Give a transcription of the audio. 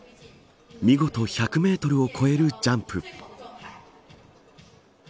見事１００メートルを越えるジャンプ。